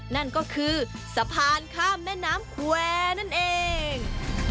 นั่นก็คือสะพานข้ามแม่น้ำแควร์นั่นเอง